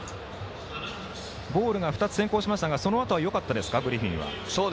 ボールが２つ先行しましたが、そのあとはよかったですか、グリフィンは。